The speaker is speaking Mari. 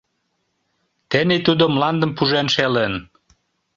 Тений тудо мландым пужен шелын.